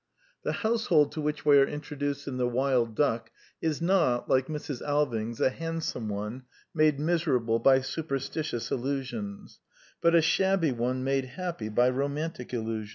The household to which we are introduced in The Wild Duck is not, like Mrs. Alving's, a handsome one made miserable by superstitious illusions, but a shabby one made happy by romantic illusions.